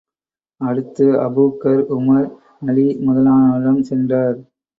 அடுத்து Abu Bakr, Umar, Ali முதலானோரிடம் சென்றார்.